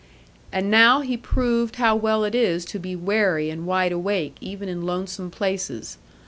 And now he proved how well it is to be wary and wide awake, even in lonesome places.